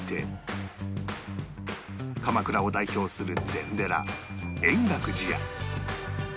鎌倉を代表する禅寺円覚寺や